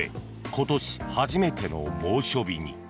今年初めての猛暑日に。